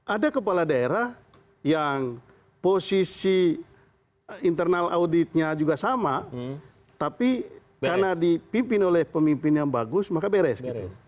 ada kepala daerah yang posisi internal auditnya juga sama tapi karena dipimpin oleh pemimpin yang bagus maka beres gitu